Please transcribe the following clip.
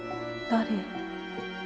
誰？